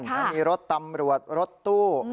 มีรถตำรวจรถตู้